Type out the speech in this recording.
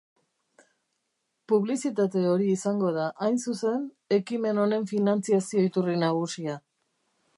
Publizitate hori izango da, hain zuzen, ekimen honen finantziazio-iturri nagusia.